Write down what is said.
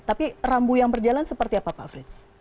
tapi rambu yang berjalan seperti apa pak frits